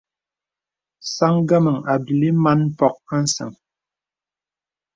Sāŋ ngəməŋ àbīlí màn mpòk àsəŋ.